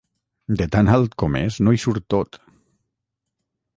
De tan alt com és no hi surt tot.